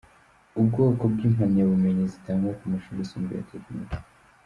Ubwoko bw’impamyabumenyi zitangwa ku mashuri yisumbuye ya Tekinike.